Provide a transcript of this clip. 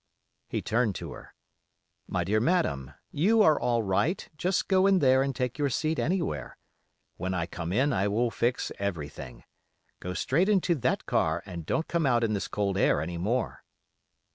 He turned to her: 'My dear madam, you are all right, just go in there and take your seat anywhere; when I come in I will fix everything. Go straight into that car and don't come out in this cold air any more.